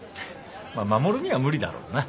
まあ護には無理だろうな。